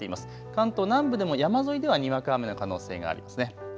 関東南部でも山沿いではにわか雨の可能性があります。